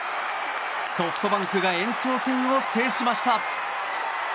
ソフトバンクが延長戦を制しました。